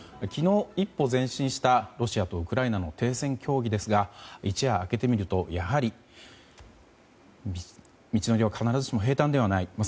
昨日、一歩前進したロシアとウクライナの停戦協議ですが一夜明けてみるとやはり、道のりは必ずしも平たんではない。